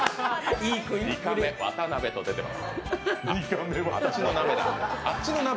「２カメ渡邊」と出ています。